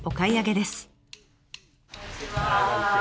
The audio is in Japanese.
こんにちは。